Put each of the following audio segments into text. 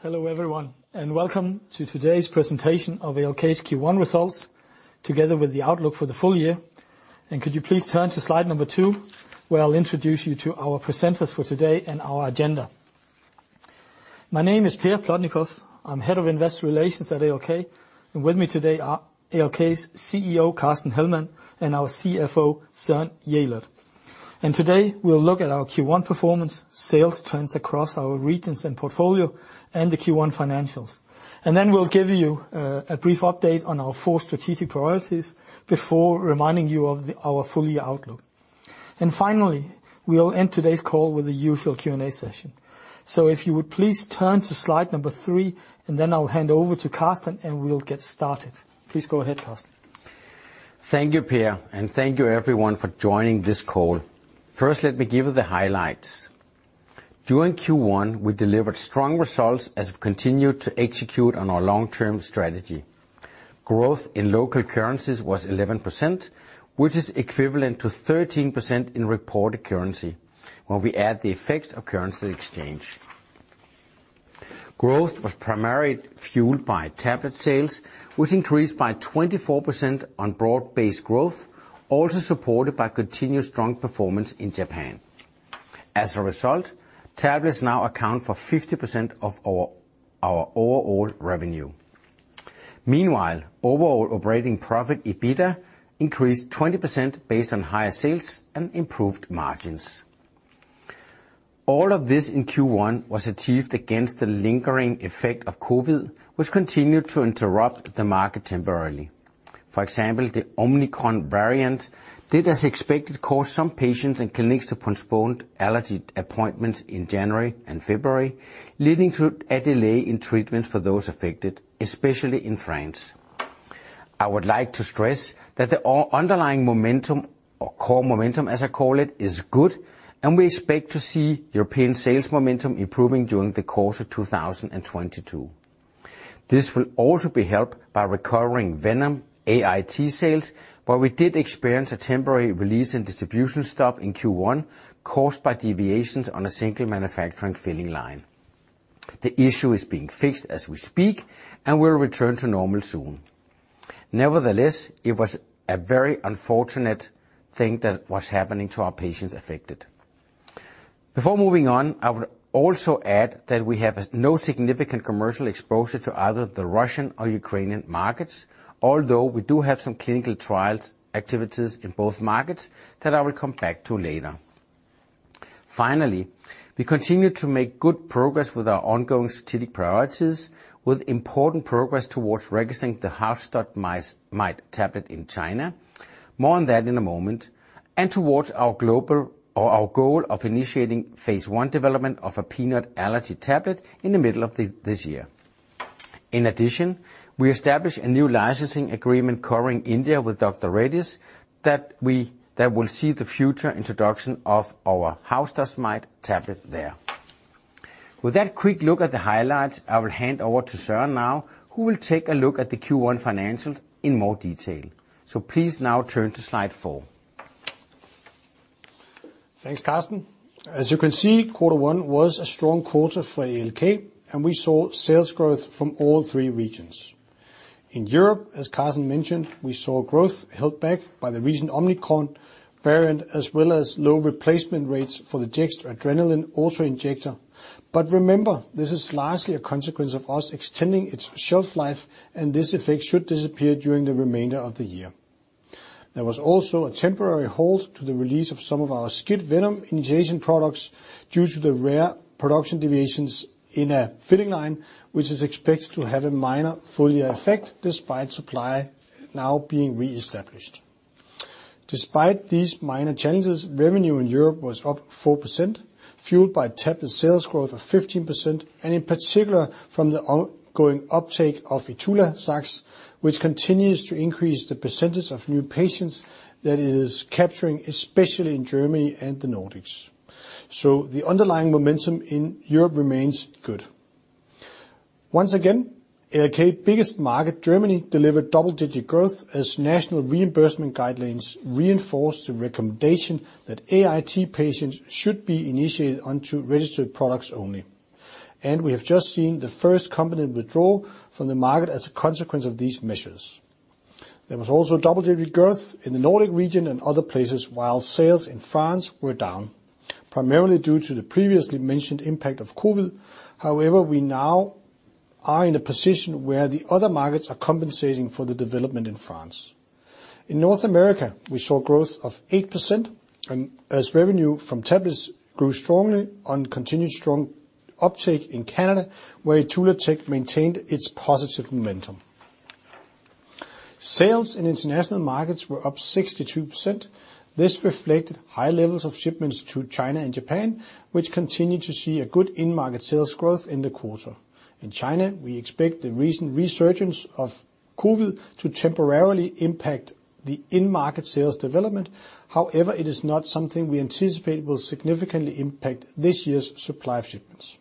Hello everyone, and welcome to today's presentation of ALK's Q1 results, together with the outlook for the full year. Could you please turn to slide number two, where I'll introduce you to our presenters for today and our agenda. My name is Per Plotnikof. I'm Head of Investor Relations at ALK, and with me today are ALK's CEO, Carsten Hellmann, and our CFO, Søren Jelert. Today, we'll look at our Q1 performance, sales trends across our regions and portfolio, and the Q1 financials. Then we'll give you a brief update on our four strategic priorities before reminding you of our full year outlook. Finally, we'll end today's call with the usual Q&A session. If you would please turn to slide number three, and then I'll hand over to Carsten, and we'll get started. Please go ahead, Carsten. Thank you, Per, and thank you everyone for joining this call. First, let me give you the highlights. During Q1, we delivered strong results as we continued to execute on our long-term strategy. Growth in local currencies was 11%, which is equivalent to 13% in reported currency, when we add the effect of currency exchange. Growth was primarily fueled by tablet sales, which increased by 24% on broad-based growth, also supported by continuous strong performance in Japan. As a result, tablets now account for 50% of our overall revenue. Meanwhile, overall operating profit, EBITDA, increased 20% based on higher sales and improved margins. All of this in Q1 was achieved against the lingering effect of COVID, which continued to interrupt the market temporarily. For example, the Omicron variant did as expected cause some patients and clinics to postpone allergy appointments in January and February, leading to a delay in treatment for those affected, especially in France. I would like to stress that the underlying momentum or core momentum, as I call it, is good, and we expect to see European sales momentum improving during the course of 2022. This will also be helped by recovering venom AIT sales, but we did experience a temporary decrease in distribution stock in Q1, caused by deviations on a single manufacturing filling line. The issue is being fixed as we speak, and will return to normal soon. Nevertheless, it was a very unfortunate thing that was happening to our patients affected. Before moving on, I would also add that we have no significant commercial exposure to either the Russian or Ukrainian markets, although we do have some clinical trials activities in both markets that I will come back to later. Finally, we continue to make good progress with our ongoing strategic priorities, with important progress towards registering the house dust mite tablet in China. More on that in a moment. Towards our goal of initiating phase I development of a peanut allergy tablet in the middle of this year. In addition, we established a new licensing agreement covering India with Dr. Reddy's that will see the future introduction of our house dust mite tablet there. With that quick look at the highlights, I will hand over to Søren now, who will take a look at the Q1 financials in more detail. Please now turn to slide four. Thanks, Carsten. As you can see, quarter one was a strong quarter for ALK, and we saw sales growth from all three regions. In Europe, as Carsten mentioned, we saw growth held back by the recent Omicron variant, as well as low replacement rates for the Jext adrenaline auto-injector. Remember, this is largely a consequence of us extending its shelf life, and this effect should disappear during the remainder of the year. There was also a temporary halt to the release of some of our SCIT venom initiation products due to the rare production deviations in a filling line, which is expected to have a minor full year effect, despite supply now being reestablished. Despite these minor challenges, revenue in Europe was up 4%, fueled by tablet sales growth of 15%, and in particular from the ongoing uptake of ITULAZAX, which continues to increase the percentage of new patients that it is capturing, especially in Germany and the Nordics. The underlying momentum in Europe remains good. Once again, ALK's biggest market, Germany, delivered double-digit growth as national reimbursement guidelines reinforced the recommendation that AIT patients should be initiated onto registered products only. We have just seen the first company withdraw from the market as a consequence of these measures. There was also double-digit growth in the Nordic region and other places, while sales in France were down, primarily due to the previously mentioned impact of COVID. However, we now are in a position where the other markets are compensating for the development in France. In North America, we saw growth of 8% and as revenue from tablets grew strongly on continued strong uptake in Canada, where ITULATEK maintained its positive momentum. Sales in international markets were up 62%. This reflected high levels of shipments to China and Japan, which continued to see a good in-market sales growth in the quarter. In China, we expect the recent resurgence of COVID to temporarily impact the in-market sales development. However, it is not something we anticipate will significantly impact this year's supply of shipments.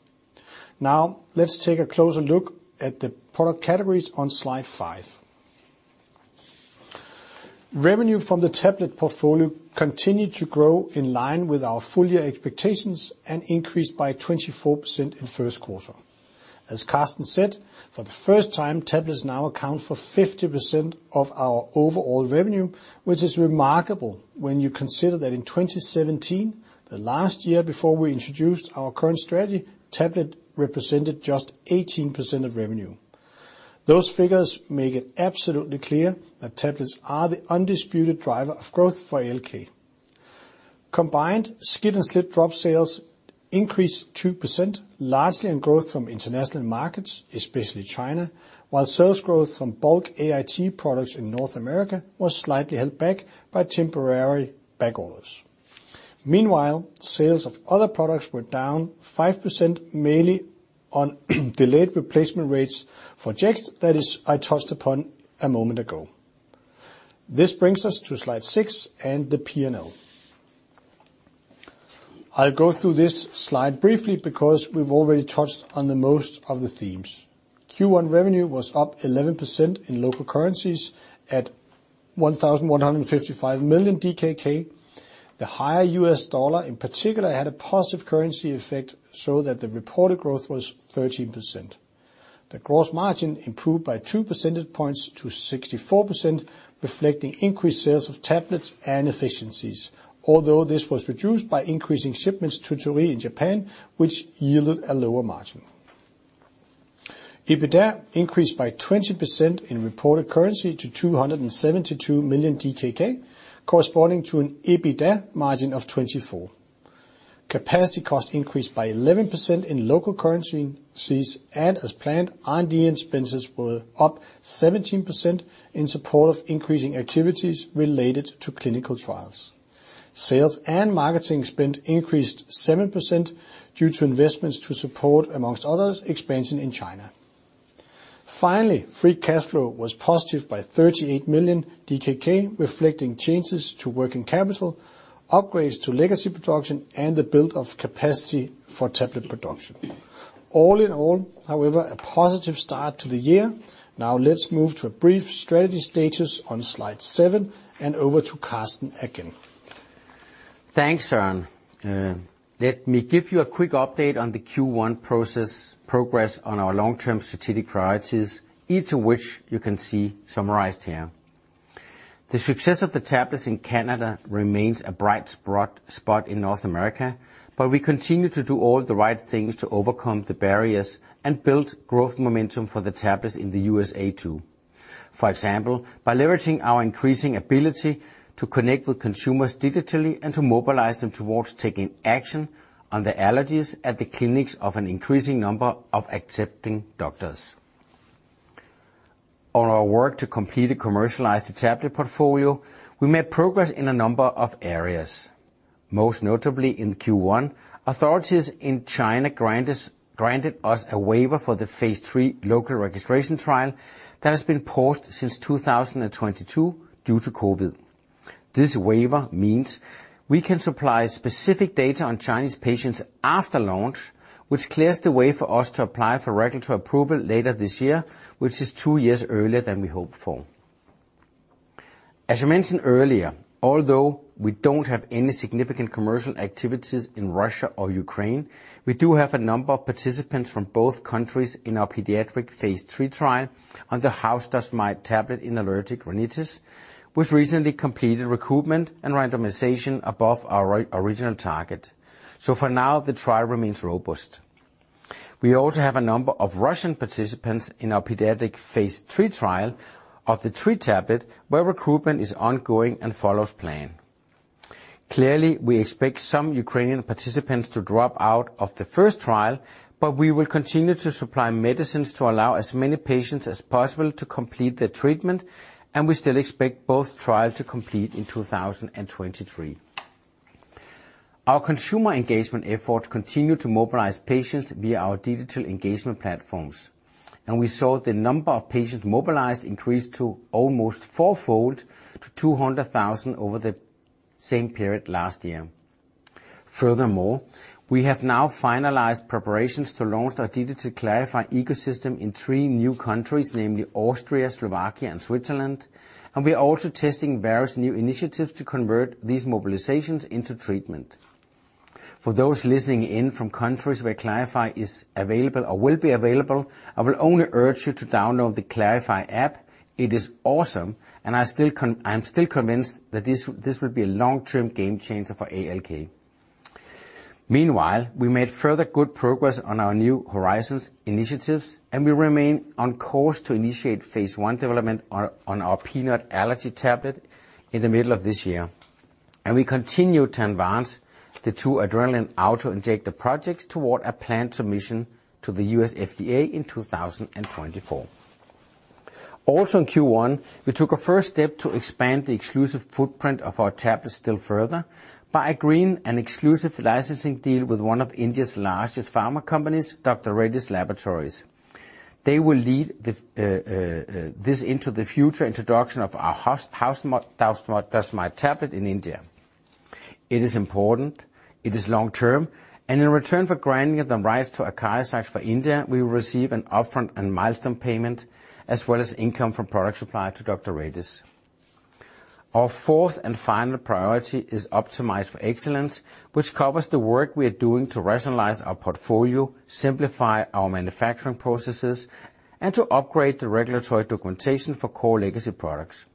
Now let's take a closer look at the product categories on slide five. Revenue from the tablet portfolio continued to grow in line with our full year expectations and increased by 24% in first quarter. As Carsten said, for the first time, tablets now account for 50% of our overall revenue, which is remarkable when you consider that in 2017, the last year before we introduced our current strategy, tablet represented just 18% of revenue. Those figures make it absolutely clear that tablets are the undisputed driver of growth for ALK. Combined, SCIT and SLIT depot sales increased 2%, largely on growth from international markets, especially China, while sales growth from bulk AIT products in North America was slightly held back by temporary back orders. Meanwhile, sales of other products were down 5%, mainly on delayed replacement rates for Jext, that is, I touched upon a moment ago. This brings us to slide six and the P&L. I'll go through this slide briefly because we've already touched on most of the themes. Q1 revenue was up 11% in local currencies at 1.155 million DKK. The higher US dollar, in particular, had a positive currency effect so that the reported growth was 13%. The gross margin improved by 2 percentage points to 64%, reflecting increased sales of tablets and efficiencies. Although this was reduced by increasing shipments to Torii in Japan, which yielded a lower margin. EBITDA increased by 20% in reported currency to 272 million DKK, corresponding to an EBITDA margin of 24%. Capacity cost increased by 11% in local currencies, and as planned, R&D expenses were up 17% in support of increasing activities related to clinical trials. Sales and marketing spend increased 7% due to investments to support, among others, expansion in China. Finally, free cash flow was positive by 38 million DKK, reflecting changes to working capital, upgrades to legacy production, and the build of capacity for tablet production. All in all, however, a positive start to the year. Now let's move to a brief strategy status on slide seven, and over to Carsten again. Thanks, Søren. Let me give you a quick update on the Q1 progress on our long-term strategic priorities, each of which you can see summarized here. The success of the tablets in Canada remains a bright spot in North America, but we continue to do all the right things to overcome the barriers and build growth momentum for the tablets in the USA, too. For example, by leveraging our increasing ability to connect with consumers digitally and to mobilize them towards taking action on their allergies at the clinics of an increasing number of accepting doctors. On our work to complete and commercialize the tablet portfolio, we made progress in a number of areas. Most notably in Q1, authorities in China granted us a waiver for the phase III local registration trial that has been paused since 2022 due to COVID. This waiver means we can supply specific data on Chinese patients after launch, which clears the way for us to apply for regulatory approval later this year, which is two years earlier than we hoped for. As I mentioned earlier, although we don't have any significant commercial activities in Russia or Ukraine, we do have a number of participants from both countries in our pediatric phase III trial on the house dust mite tablet in allergic rhinitis, which recently completed recruitment and randomization above our original target. For now, the trial remains robust. We also have a number of Russian participants in our pediatric phase III trial of the tree tablet, where recruitment is ongoing and follows plan. Clearly, we expect some Ukrainian participants to drop out of the first trial, but we will continue to supply medicines to allow as many patients as possible to complete their treatment, and we still expect both trials to complete in 2023. Our consumer engagement efforts continue to mobilize patients via our digital engagement platforms, and we saw the number of patients mobilized increase to almost four-fold to 200,000 over the same period last year. Furthermore, we have now finalized preparations to launch our digital Klarify ecosystem in three new countries, namelyAustria, Slovakia, and Switzerland. We are also testing various new initiatives to convert these mobilizations into treatment. For those listening in from countries where Klarify is available or will be available, I will only urge you to download the Klarify app. It is awesome, and I'm still convinced that this will be a long-term game changer for ALK. Meanwhile, we made further good progress on our New Horizons initiatives, and we remain on course to initiate phase I development on our peanut allergy tablet in the middle of this year. We continue to advance the two adrenaline auto-injector projects toward a planned submission to the U.S. FDA in 2024. Also in Q1, we took a first step to expand the exclusive footprint of our tablets still further by agreeing to an exclusive licensing deal with one of India's largest pharma companies, Dr. Reddy's Laboratories. They will lead this into the future introduction of our house dust mite tablet in India. It is important, it is long-term, and in return for granting it the rights to ACARIZAX for India, we will receive an upfront and milestone payment, as well as income from product supply to Dr. Reddy's. Our fourth and final priority is optimized for excellence, which covers the work we are doing to rationalize our portfolio, simplify our manufacturing processes, and to upgrade the regulatory documentation for core legacy products.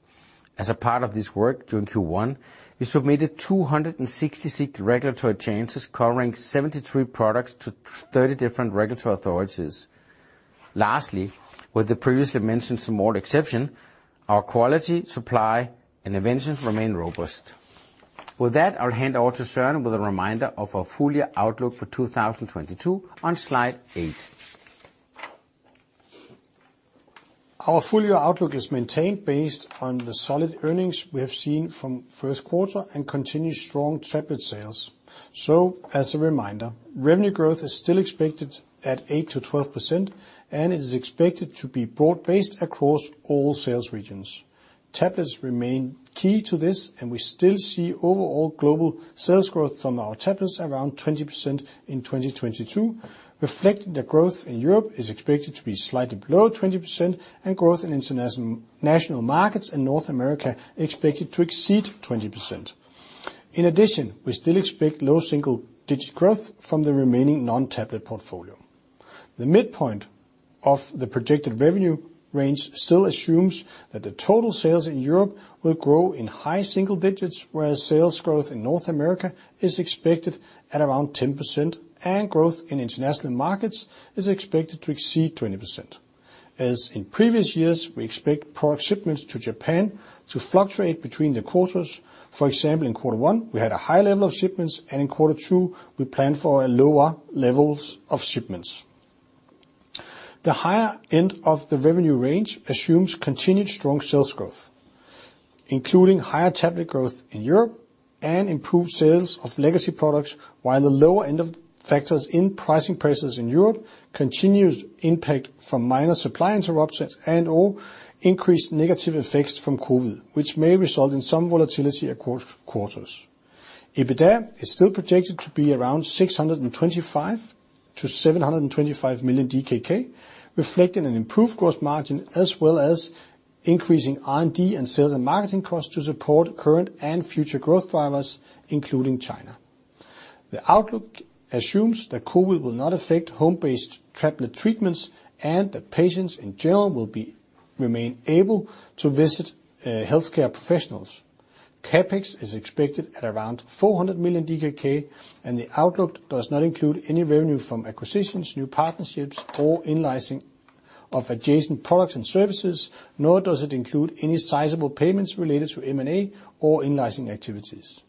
As a part of this work, during Q1, we submitted 266 regulatory changes covering 73 products to 30 different regulatory authorities. Lastly, with the previously mentioned small exception, our quality, supply, and investments remain robust. With that, I'll hand over to Søren with a reminder of our full year outlook for 2022 on slide eight. Our full year outlook is maintained based on the solid earnings we have seen from first quarter and continued strong tablet sales. As a reminder, revenue growth is still expected at 8%-12%, and it is expected to be broad-based across all sales regions. Tablets remain key to this, and we still see overall global sales growth from our tablets around 20% in 2022, reflecting the growth in Europe is expected to be slightly below 20% and growth in international markets and North America expected to exceed 20%. In addition, we still expect low single-digit growth from the remaining non-tablet portfolio. The midpoint of the projected revenue range still assumes that the total sales in Europe will grow in high single digits, whereas sales growth in North America is expected at around 10%, and growth in international markets is expected to exceed 20%. We expect product shipments to Japan to fluctuate between the quarters. For example, in quarter one, we had a high level of shipments, and in quarter two, we plan for a lower level of shipments. The higher end of the revenue range assumes continued strong sales growth, including higher tablet growth in Europe and improved sales of legacy products, while the lower end factors in pricing pressures in Europe continued impact from minor supply interruptions and/or increased negative effects from COVID, which may result in some volatility across quarters. EBITDA is still projected to be around 625 million-725 million DKK, reflecting an improved gross margin, as well as increasing R&D sales and marketing costs to support current and future growth drivers, including China. The outlook assumes that COVID will not affect home-based tablet treatments and that patients in general will remain able to visit healthcare professionals. CapEx is expected at around 400 million DKK, and the outlook does not include any revenue from acquisitions, new partnerships, or in-licensing of adjacent products and services, nor does it include any sizable payments related to M&A or in-licensing activities.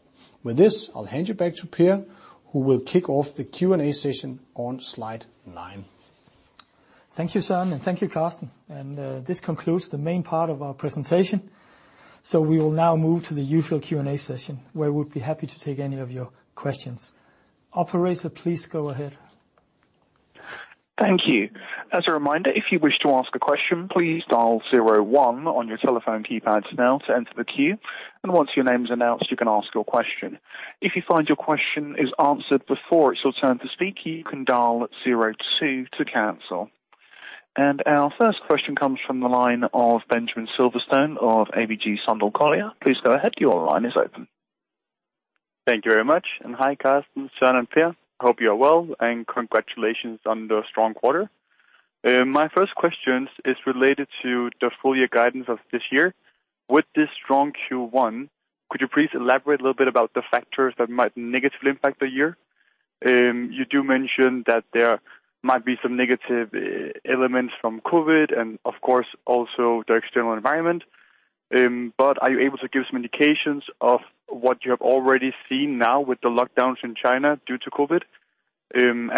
With this, I'll hand you back to Per, who will kick off the Q&A session on slide nine. Thank you, Søren, and thank you, Carsten. This concludes the main part of our presentation. We will now move to the usual Q&A session, where we'll be happy to take any of your questions. Operator, please go ahead. Thank you. As a reminder, if you wish to ask a question, please dial zero one on your telephone keypads now to enter the queue, and once your name's announced, you can ask your question. If you find your question is answered before it's your turn to speak, you can dial zero two to cancel. Our first question comes from the line of Benjamin Silverstone of ABG Sundal Collier. Please go ahead. Your line is open. Thank you very much. Hi, Carsten, Søren, and Per. Hope you are well, and congratulations on the strong quarter. My first questions is related to the full year guidance of this year. With this strong Q1, could you please elaborate a little bit about the factors that might negatively impact the year? You do mention that there might be some negative elements from COVID, and of course also the external environment. But are you able to give some indications of what you have already seen now with the lockdowns in China due to COVID?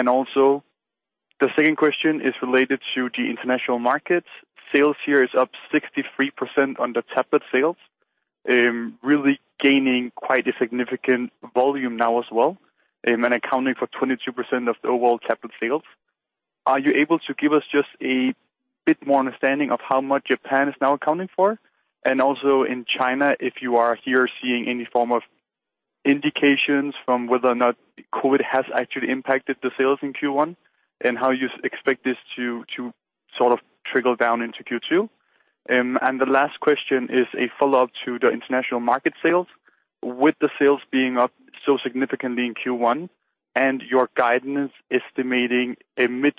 Also the second question is related to the international markets. Sales here is up 63% on the tablet sales, really gaining quite a significant volume now as well, and accounting for 22% of the overall tablet sales. Are you able to give us just a bit more understanding of how much Japan is now accounting for? In China, if you are here seeing any form of indications from whether or not COVID has actually impacted the sales in Q1, and how you expect this to sort of trickle down into Q2? The last question is a follow-up to the international market sales. With the sales being up so significantly in Q1 and your guidance estimating the mid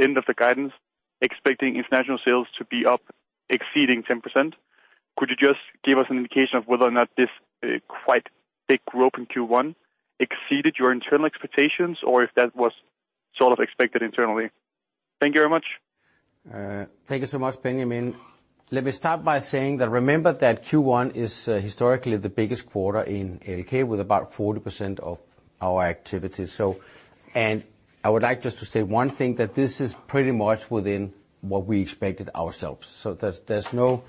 end of the guidance, expecting international sales to be up exceeding 10%. Could you just give us an indication of whether or not this quite big growth in Q1 exceeded your internal expectations or if that was sort of expected internally? Thank you very much. Thank you so much, Benjamin. Let me start by saying that remember that Q1 is historically the biggest quarter in ALK with about 40% of our activities. I would like just to say one thing, that this is pretty much within what we expected ourselves. There's no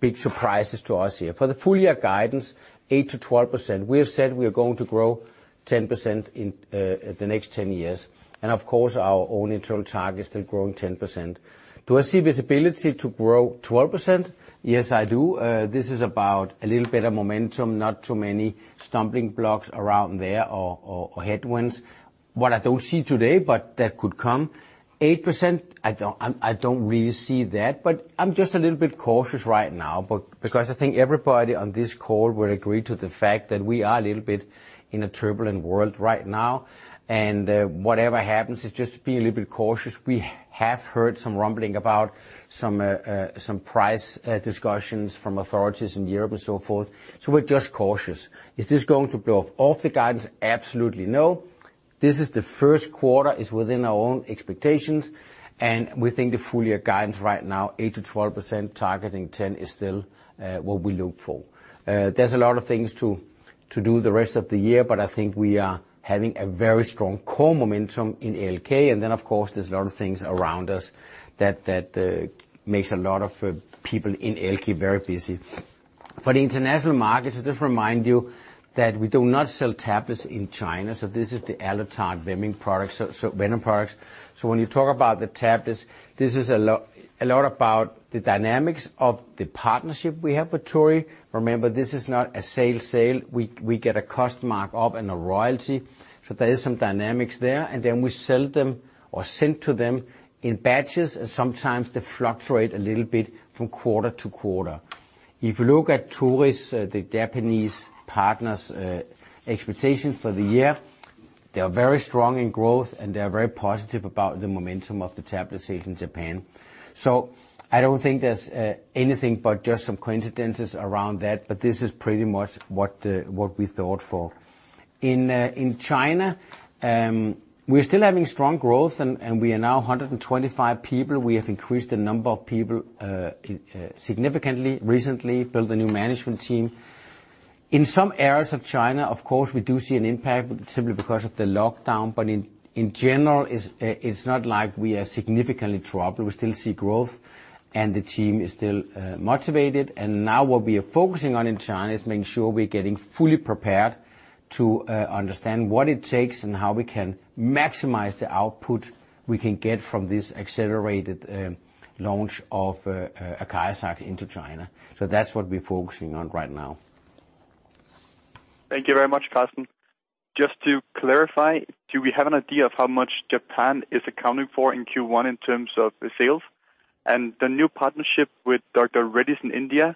big surprises to us here. For the full year guidance, 8%-12%. We have said we are going to grow 10% in the next 10 years. Of course, our own internal target is to grow 10%. Do I see visibility to grow 12%? Yes, I do. This is about a little bit of momentum, not too many stumbling blocks around there or headwinds. What I don't see today, but that could come. 8%, I don't really see that, but I'm just a little bit cautious right now. Because I think everybody on this call will agree to the fact that we are a little bit in a turbulent world right now, and whatever happens, just be a little bit cautious. We have heard some rumbling about some price discussions from authorities in Europe and so forth, so we're just cautious. Is this going to blow off the guidance? Absolutely no. This is the first quarter, it's within our own expectations, and we think the full year guidance right now, 8%-12%, targeting 10% is still what we look for. There's a lot of things to do the rest of the year, but I think we are having a very strong core momentum in ALK. Of course, there's a lot of things around us that makes a lot of people in ALK very busy. For the international markets, just to remind you that we do not sell tablets in China, so this is the Alutard and venom products. When you talk about the tablets, this is a lot about the dynamics of the partnership we have with Torii. Remember, this is not a sale. We get a cost mark-up and a royalty. There is some dynamics there. We sell them or send to them in batches, and sometimes they fluctuate a little bit from quarter to quarter. If you look at Torii's, the Japanese partner's, expectations for the year, they are very strong in growth, and they are very positive about the momentum of the tablet sale in Japan. I don't think there's anything but just some coincidences around that, but this is pretty much what we thought for. In China, we're still having strong growth and we are now 125 people. We have increased the number of people significantly recently, built a new management team. In some areas of China, of course, we do see an impact simply because of the lockdown. In general, it's not like we are significantly troubled. We still see growth, and the team is still motivated. Now what we are focusing on in China is making sure we're getting fully prepared to understand what it takes and how we can maximize the output we can get from this accelerated launch of ACARIZAX into China. That's what we're focusing on right now. Thank you very much, Carsten. Just to clarify, do we have an idea of how much Japan is accounting for in Q1 in terms of the sales? The new partnership with Dr. Reddy's in India,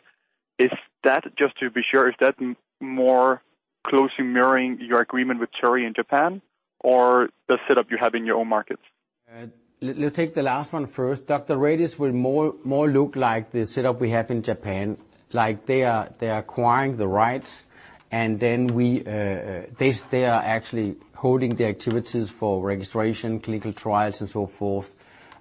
is that, just to be sure, is that more closely mirroring your agreement with Torii in Japan or the setup you have in your own markets? Let's take the last one first. Dr. Reddy's will more look like the setup we have in Japan. Like they are acquiring the rights, and then they are actually holding the activities for registration, clinical trials, and so forth.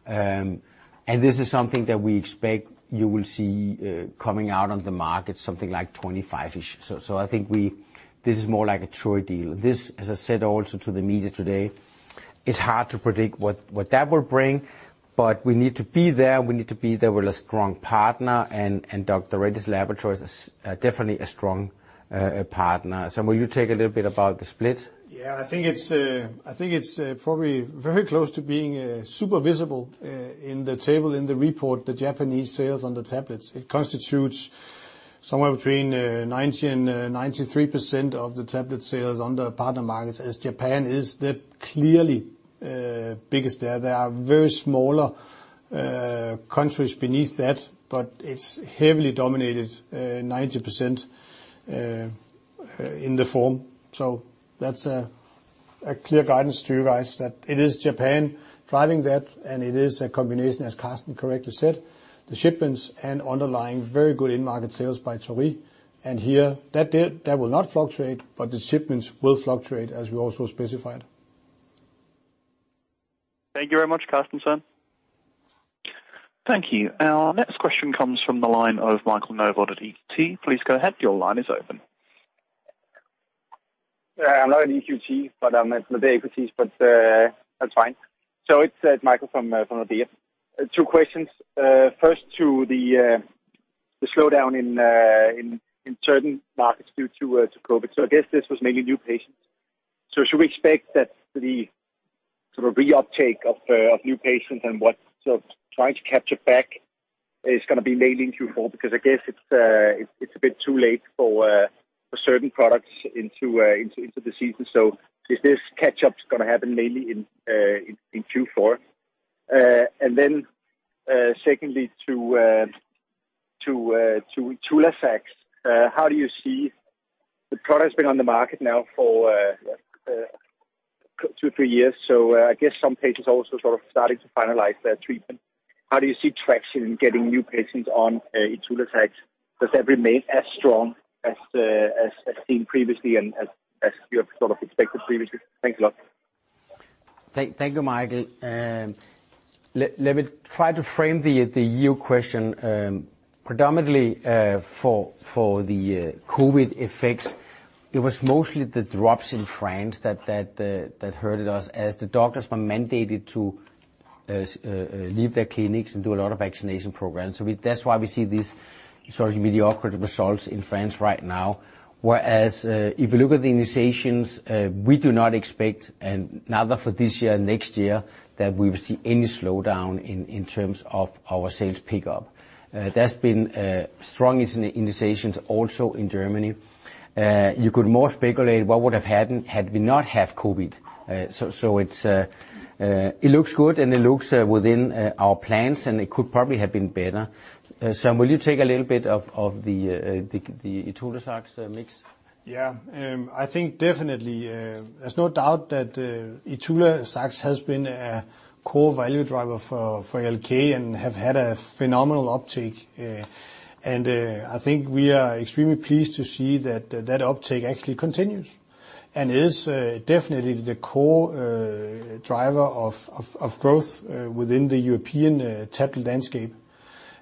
And this is something that we expect you will see coming out on the market, something like 2025-ish. I think. This is more like a Torii deal. This, as I said also to the media today, it's hard to predict what that will bring, but we need to be there with a strong partner, and Dr. Reddy's Laboratories is definitely a strong partner. Søren, will you take a little bit about the split? Yeah. I think it's probably very close to being super visible in the table in the report, the Japanese sales on the tablets. It constitutes somewhere between 90% and 93% of the tablet sales on the partner markets, as Japan is clearly the biggest there. There are very small countries beneath that, but it's heavily dominated 90% in the form. So that's a clear guidance to you guys that it is Japan driving that and it is a combination, as Carsten correctly said, the shipments and underlying very good end market sales by Torii. Here, that will not fluctuate, but the shipments will fluctuate as we also specified. Thank you very much, Carsten, Søren. Thank you. Our next question comes from the line of Michael Novod at EQT. Please go ahead, your line is open. I'm not at EQT, but I'm at Nordea, but that's fine. It's Michael Novod from Nordea. Two questions. First to the slowdown in certain markets due to COVID. I guess this was mainly new patients. Should we expect that the sort of re-uptake of new patients trying to capture back is gonna be mainly in Q4, because I guess it's a bit too late for certain products into the season? Is this catch-up gonna happen mainly in Q4? And then, secondly to ITULAZAX. How do you see the product's been on the market now for 2-3 years, so I guess some patients also sort of starting to finalize their treatment? How do you see traction in getting new patients on ITULAZAX? Does that remain as strong as seen previously and as you have sort of expected previously? Thanks a lot. Thank you, Michael. Let me try to frame the EU question. Predominantly, for the COVID effects, it was mostly the drops in France that hurt us as the doctors were mandated to leave their clinics and do a lot of vaccination programs. That's why we see these sort of mediocre results in France right now. If you look at the initiations, we do not expect, and neither for this year or next year, that we will see any slowdown in terms of our sales pickup. That's been strong in some initiations also in Germany. You could more speculate what would have happened had we not have COVID. It looks good and it looks within our plans, and it could probably have been better. Søren, will you take a little bit of the ITULAZAX mix? Yeah. I think definitely, there's no doubt that ITULAZAX has been a core value driver for ALK and have had a phenomenal uptake. I think we are extremely pleased to see that uptake actually continues, and is definitely the core driver of growth within the European tablet landscape.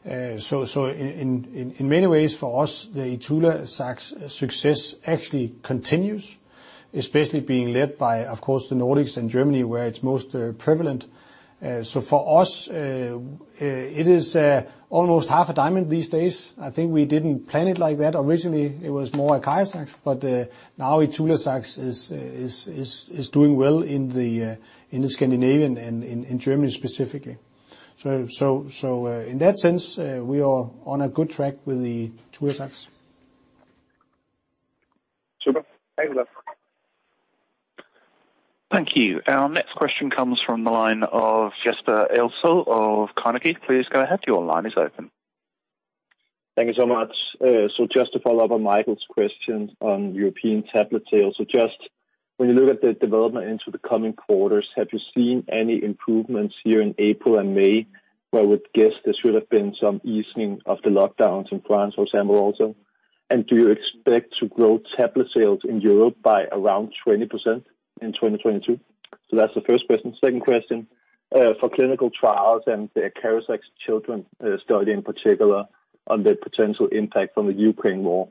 In many ways for us, the ITULAZAX success actually continues, especially being led by, of course, the Nordics and Germany, where it's most prevalent. For us, it is almost half the demand these days. I think we didn't plan it like that. Originally, it was more like ACARIZAX, but now ITULAZAX is doing well in the Scandinavian and in Germany specifically. In that sense, we are on a good track with the ITULAZAX. Super. Thanks a lot. Thank you. Our next question comes from the line of Jesper Ilsøe of Carnegie. Please go ahead. Your line is open. Thank you so much. Just to follow up on Michael's questions on European tablet sales. Just when you look at the development into the coming quarters, have you seen any improvements here in April and May, where I would guess there should have been some easing of the lockdowns in France or Scandinavia? Do you expect to grow tablet sales in Europe by around 20% in 2022? That's the first question. Second question, for clinical trials and the ACARIZAX children study in particular on the potential impact from the Ukraine war.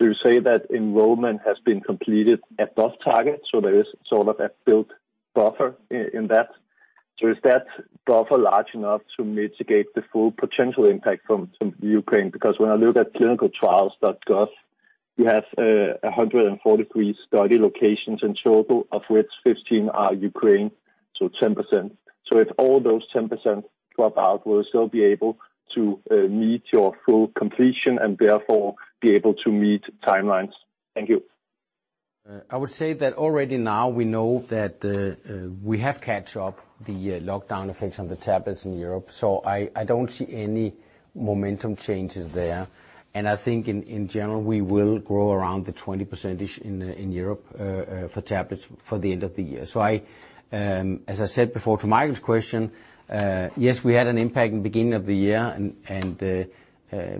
You say that enrollment has been completed above target, so there is sort of a built buffer in that. Is that buffer large enough to mitigate the full potential impact from Ukraine? Because when I look at ClinicalTrials.gov, you have 143 study locations in total, of which 15 are Ukraine, so 10%. If all those 10% drop out, will you still be able to meet your full completion, and therefore be able to meet timelines? Thank you. I would say that already now we know that we have caught up the lockdown effects on the tablets in Europe, so I don't see any momentum changes there. I think in general we will grow around 20% in Europe for tablets for the end of the year. As I said before to Michael's question, yes, we had an impact in the beginning of the year and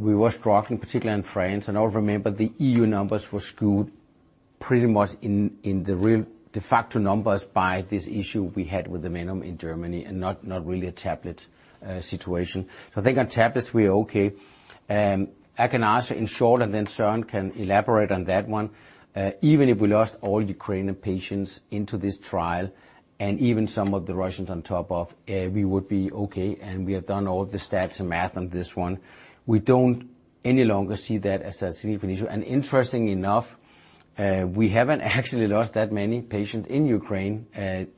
we were struggling, particularly in France. I remember the EU numbers were skewed pretty much in the real de facto numbers by this issue we had with the venom in Germany and not really a tablet situation. I think on tablets we are okay. I can answer in short, and then Søren can elaborate on that one. Even if we lost all Ukrainian patients in this trial and even some of the Russians on top of, we would be okay, and we have done all the stats and math on this one. We don't any longer see that as a significant issue. Interestingly enough, we haven't actually lost that many patients in Ukraine,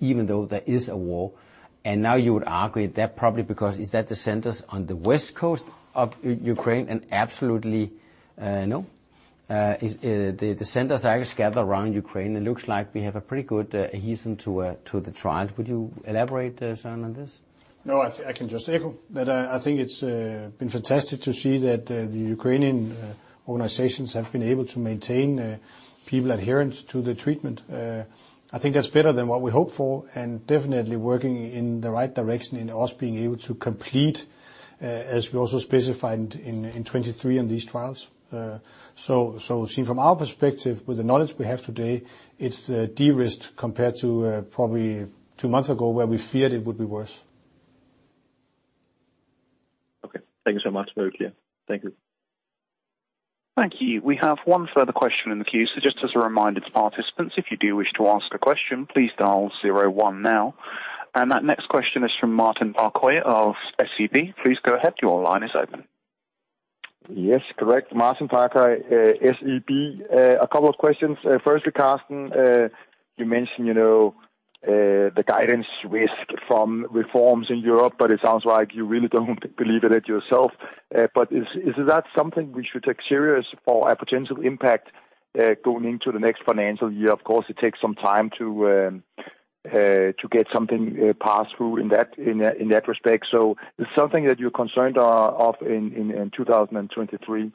even though there is a war. Now you would argue that probably because the centers on the west coast of Ukraine, and absolutely no. The centers are scattered around Ukraine. It looks like we have a pretty good adherence to the trial. Could you elaborate, Søren, on this? No, I can just echo. I think it's been fantastic to see that the Ukrainian organizations have been able to maintain patient adherence to the treatment. I think that's better than what we hoped for and definitely working in the right direction in our being able to complete, as we also specified in 2023 on these trials. Seen from our perspective with the knowledge we have today, it's de-risked compared to probably two months ago, where we feared it would be worse. Okay. Thank you so much. Very clear. Thank you. Thank you. We have one further question in the queue. Just as a reminder to participants, if you do wish to ask a question, please dial zero one now. That next question is from Martin Parkhøi of SEB. Please go ahead. Your line is open. Yes, correct. Martin Parkhøi, SEB. A couple of questions. First to Carsten. You mentioned, you know, the guidance risk from reforms in Europe, but it sounds like you really don't believe in it yourself. But is that something we should take seriously or a potential impact going into the next financial year? Of course, it takes some time to get something passed through in that respect. So is it something that you're concerned about in 2023?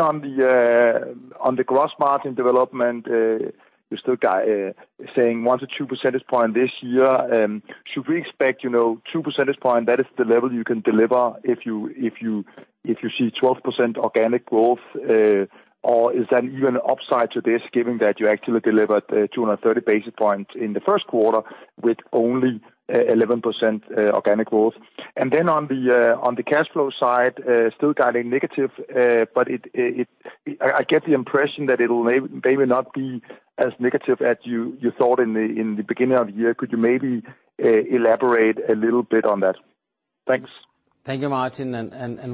On the gross margin development, you're still guiding 1-2 percentage points this year. Should we expect, you know, 2 percentage points, that is the level you can deliver if you see 12% organic growth? Is there even an upside to this given that you actually delivered 230 basis points in the first quarter with only 11% organic growth? Then on the cash flow side, still guiding negative, but I get the impression that it may not be as negative as you thought in the beginning of the year. Could you maybe elaborate a little bit on that? Thanks. Thank you, Martin,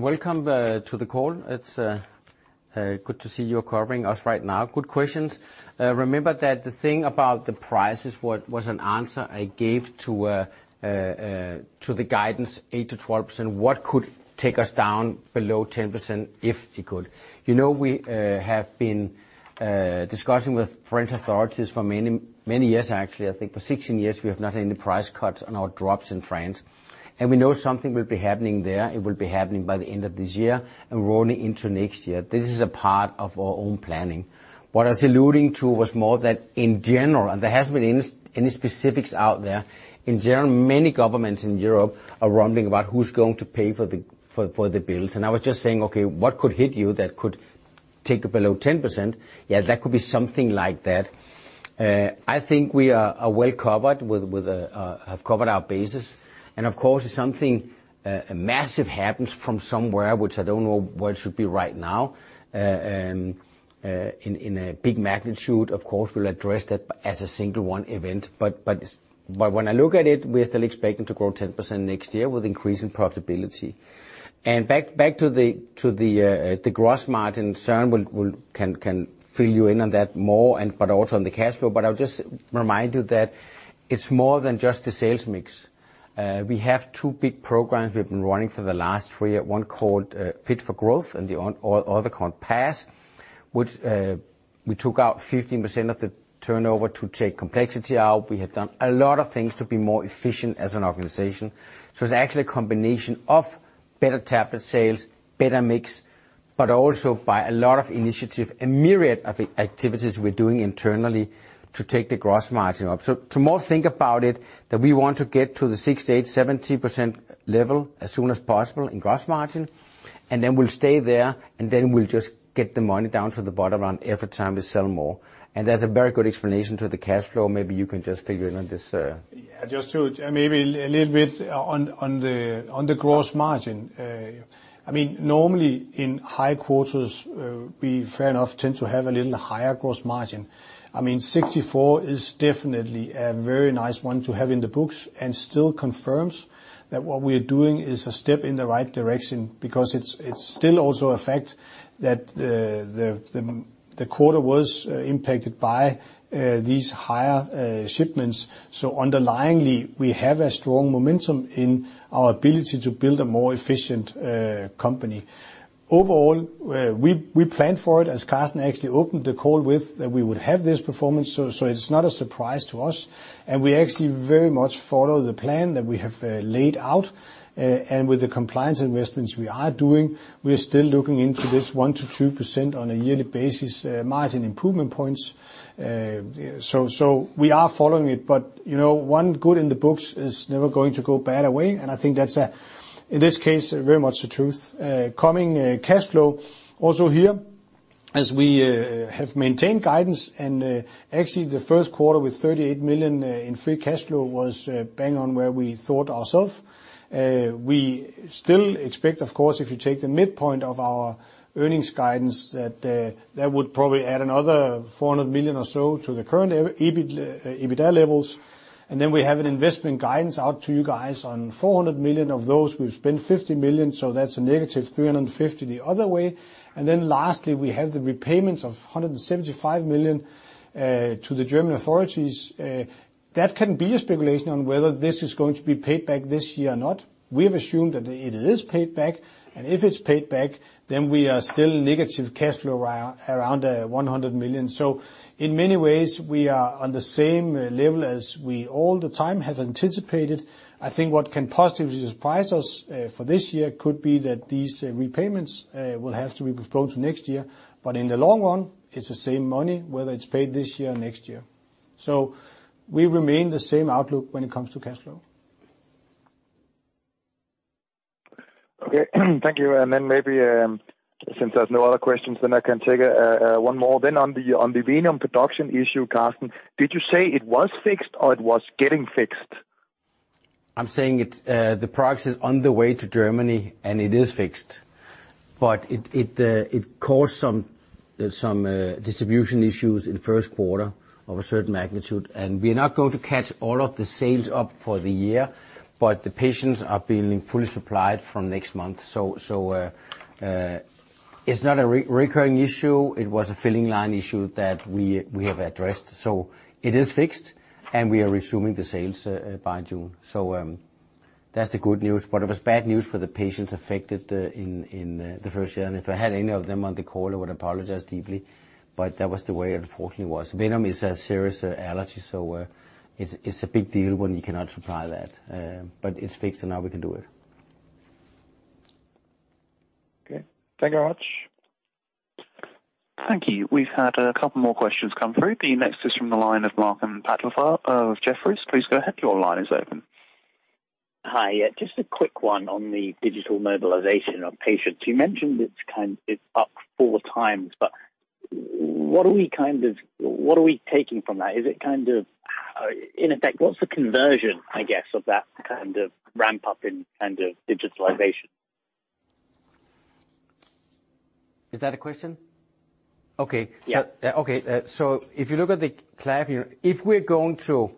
welcome to the call. It's good to see you covering us right now. Good questions. Remember that the thing about the price is what was an answer I gave to the guidance 8%-12%. What could take us down below 10% if it could? You know, we have been discussing with French authorities for many years, actually. I think for 16 years, we have not had any price cuts on our drops in France, and we know something will be happening there. It will be happening by the end of this year and rolling into next year. This is a part of our own planning. What I was alluding to was more that in general, and there hasn't been any specifics out there. In general, many governments in Europe are wondering about who's going to pay for the bills. I was just saying, "Okay, what could hit you that could take it below 10%?" Yeah, that could be something like that. I think we have covered our bases. Of course, if something massive happens from somewhere, which I don't know where it should be right now, in a big magnitude, of course, we'll address that as a single one event. When I look at it, we're still expecting to grow 10% next year with increasing profitability. Back to the gross margin, Søren can fill you in on that more, but also on the cash flow. I'll just remind you that it's more than just a sales mix. We have two big programs we've been running for the last three years. One called Fit for Growth, and the other called PATH, which we took out 15% of the turnover to take complexity out. We have done a lot of things to be more efficient as an organization. It's actually a combination of better tablet sales, better mix, but also by a lot of initiative, a myriad of activities we're doing internally to take the gross margin up. To more think about it, that we want to get to the 68%-70% level as soon as possible in gross margin, and then we'll stay there, and then we'll just get the money down to the bottom line every time we sell more. There's a very good explanation to the cash flow. Maybe you can just fill you in on this. Yeah, maybe a little bit on the gross margin. I mean, normally in high quarters, we fair enough tend to have a little higher gross margin. I mean, 64% is definitely a very nice one to have in the books and still confirms that what we are doing is a step in the right direction because it's still also a fact that the quarter was impacted by these higher shipments. So underlyingly, we have a strong momentum in our ability to build a more efficient company. Overall, we planned for it, as Carsten actually opened the call with, that we would have this performance, so it's not a surprise to us. We actually very much follow the plan that we have laid out. With the compliance investments we are doing, we're still looking into this 1-2% on a yearly basis, margin improvement points. So we are following it. You know, one good in the books is never going to go bad away, and I think that's, in this case, very much the truth. Coming cash flow also here as we have maintained guidance and actually the first quarter with 38 million in free cash flow was bang on where we thought ourself. We still expect, of course, if you take the midpoint of our earnings guidance, that that would probably add another 400 million or so to the current EBITDA levels. We have an investment guidance out to you guys on 400 million of those, we've spent 50 million, so that's a -350 million the other way. Lastly, we have the repayments of 175 million to the German authorities. That can be a speculation on whether this is going to be paid back this year or not. We have assumed that it is paid back, and if it's paid back, then we are still negative cash flow around 100 million. In many ways, we are on the same level as we all the time have anticipated. I think what can positively surprise us for this year could be that these repayments will have to be postponed to next year. In the long run, it's the same money, whether it's paid this year or next year. We remain the same outlook when it comes to cash flow. Okay. Thank you. Maybe, since there's no other questions, then I can take one more then. On the venom production issue, Carsten, did you say it was fixed or it was getting fixed? I'm saying the product is on the way to Germany and it is fixed, but it caused some distribution issues in the first quarter of a certain magnitude, and we're not going to catch all of the sales up for the year, but the patients are being fully supplied from next month. It's not a recurring issue. It was a filling line issue that we have addressed. It is fixed and we are resuming the sales by June. That's the good news. It was bad news for the patients affected in the first year. If I had any of them on the call, I would apologize deeply, but that was the way it unfortunately was. Venom is a serious allergy, so it's a big deal when you cannot supply that. It's fixed, and now we can do it. Okay. Thank you very much. Thank you. We've had a couple more questions come through. The next is from the line of Malcolm Patufee of Jefferies. Please go ahead. Your line is open. Hi. Yeah, just a quick one on the digital mobilization of patients. You mentioned it's up 4 times, but what are we taking from that? Is it in effect what's the conversion, I guess, of that kind of ramp-up in kind of digitalization? Is that a question? Okay. Yeah. Okay. If you look at the klarify here, if we're going to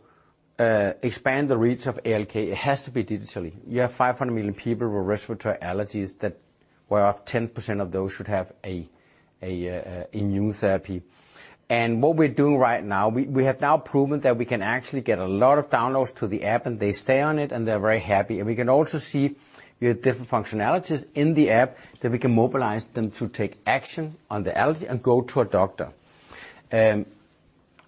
expand the reach of ALK, it has to be digitally. You have 500 million people with respiratory allergies that whereof 10% of those should have a immunotherapy. What we're doing right now, we have now proven that we can actually get a lot of downloads to the app and they stay on it, and they're very happy. We can also see with different functionalities in the app that we can mobilize them to take action on the allergy and go to a doctor.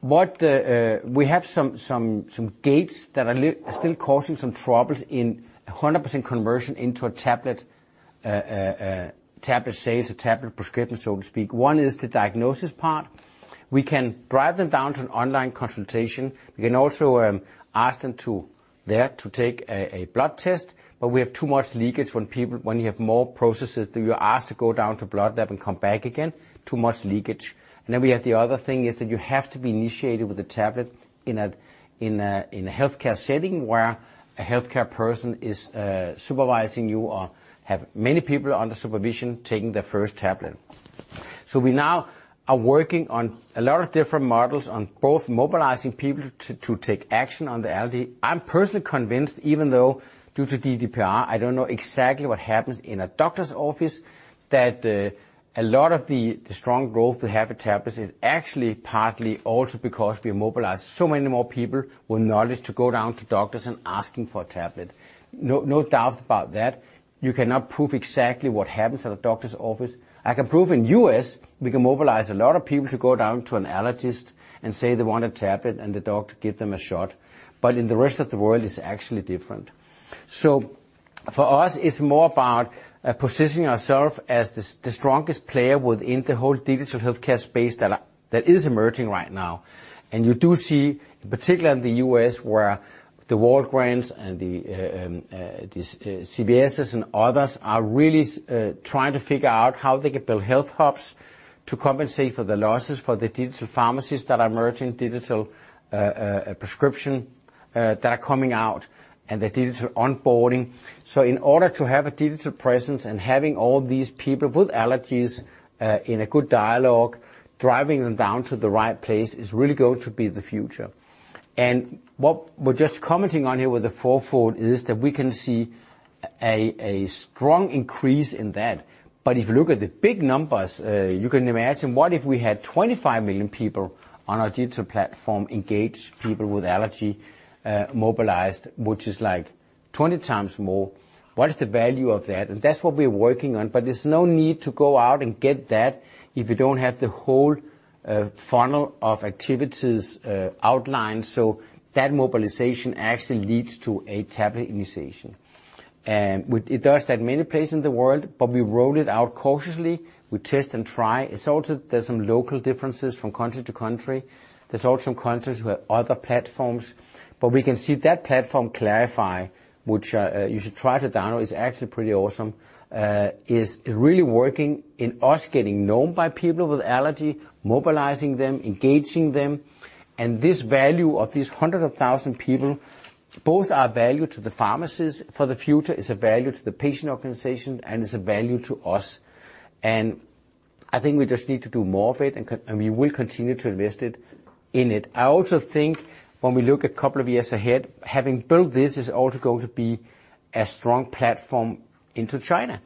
What we have some gates that are still causing some troubles in 100% conversion into a tablet sales or tablet prescription, so to speak. One is the diagnosis part. We can drive them down to an online consultation. We can also ask them to there to take a blood test, but we have too much leakage when you have more processes that you ask to go down to blood lab and come back again, too much leakage. Then we have the other thing is that you have to be initiated with a tablet in a healthcare setting where a healthcare person is supervising you or have many people under supervision taking their first tablet. We now are working on a lot of different models on both mobilizing people to take action on the allergy. I'm personally convinced, even though due to GDPR, I don't know exactly what happens in a doctor's office, that a lot of the strong growth we have with tablets is actually partly also because we mobilize so many more people with knowledge to go down to doctors and asking for a tablet. No doubt about that. You cannot prove exactly what happens at a doctor's office. I can prove in U.S., we can mobilize a lot of people to go down to an allergist and say they want a tablet, and the doctor give them a shot. But in the rest of the world, it's actually different. For us, it's more about positioning ourself as the strongest player within the whole digital healthcare space that is emerging right now. You do see, in particular in the U.S. where the Walgreens and the CVS's and others are really trying to figure out how they can build health hubs to compensate for the losses for the digital pharmacies that are emerging, digital prescriptions that are coming out and the digital onboarding. In order to have a digital presence and having all these people with allergies in a good dialogue, driving them down to the right place is really going to be the future. What we're just commenting on here with the fourfold is that we can see a strong increase in that. If you look at the big numbers, you can imagine what if we had 25 million people on our digital platform engage people with allergy, mobilized, which is like 20 times more. What is the value of that? And that's what we're working on. There's no need to go out and get that if you don't have the whole, funnel of activities, outlined, so that mobilization actually leads to a tablet initiation. It does that many places in the world, but we roll it out cautiously. We test and try. It's also there's some local differences from country to country. There's also countries who have other platforms, but we can see that platform Klarify, which, you should try to download, it's actually pretty awesome, is really working in the U.S. getting known by people with allergy, mobilizing them, engaging them. This value of these hundreds of thousand people, both are value to the pharmacist for the future, it's a value to the patient organization, and it's a value to us. I think we just need to do more of it, and we will continue to invest it in it. I also think when we look a couple of years ahead, having built this is also going to be a strong platform into China.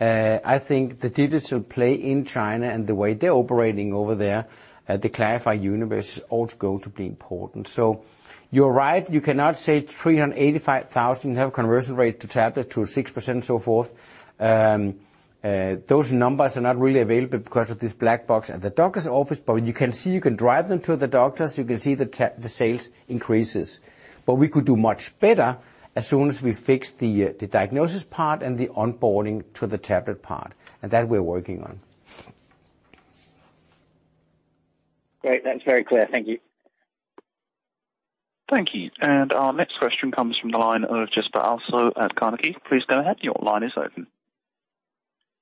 I think the digital play in China and the way they're operating over there, the Klarify universe is also going to be important. You're right, you cannot say 385,000 have conversion rate to tablet to 6% so forth. Those numbers are not really available because of this black box at the doctor's office, but you can see, you can drive them to the doctors, you can see the sales increases. We could do much better as soon as we fix the diagnosis part and the onboarding to the tablet part. That we're working on. Great. That's very clear. Thank you. Thank you. Our next question comes from the line of Jesper Ilsøe at Carnegie. Please go ahead. Your line is open.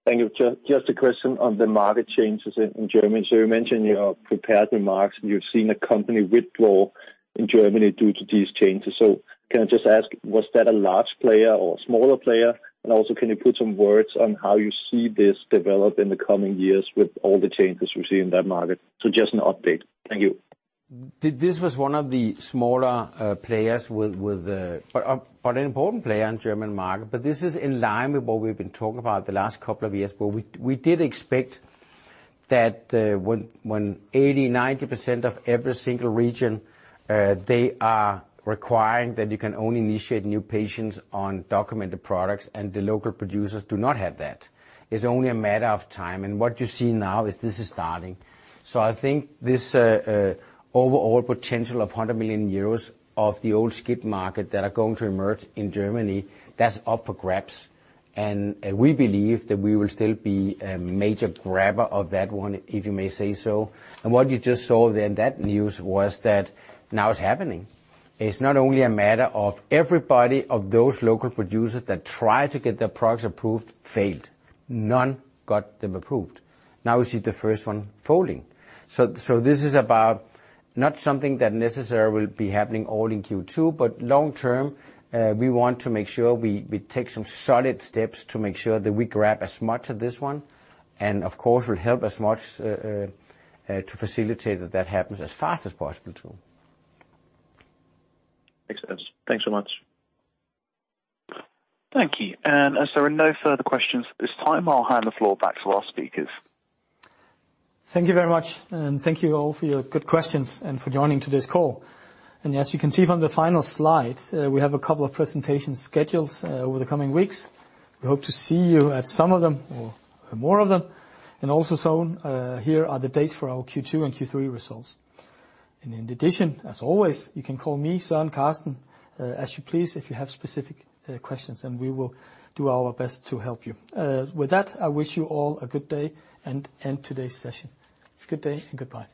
Thank you. Just a question on the market changes in Germany. You mentioned in your prepared remarks, you've seen a company withdraw in Germany due to these changes. Can I just ask, was that a large player or a smaller player? Can you put some words on how you see this develop in the coming years with all the changes you see in that market? Just an update. Thank you. This was one of the smaller players with an important player in German market, but this is in line with what we've been talking about the last couple of years, where we did expect that, when 80%-90% of every single region, they are requiring that you can only initiate new patients on documented products and the local producers do not have that. It's only a matter of time. What you see now is this is starting. I think this overall potential of 100 million euros of the old SCIT market that are going to emerge in Germany, that's up for grabs. We believe that we will still be a major grabber of that one, if you may say so. What you just saw there in that news was that now it's happening. It's not only a matter of everybody of those local producers that try to get their products approved, failed. None got them approved. Now we see the first one folding. So this is about not something that necessarily will be happening all in Q2, but long term, we want to make sure we take some solid steps to make sure that we grab as much of this one and of course will help as much to facilitate that happens as fast as possible too. Makes sense. Thanks so much. Thank you. As there are no further questions at this time, I'll hand the floor back to our speakers. Thank you very much. Thank you all for your good questions and for joining today's call. As you can see from the final slide, we have a couple of presentations scheduled over the coming weeks. We hope to see you at some of them or more of them. Also shown here are the dates for our Q2 and Q3 results. In addition, as always, you can call me, Søren, Carsten, as you please if you have specific questions, and we will do our best to help you. With that, I wish you all a good day and end today's session. Good day and goodbye.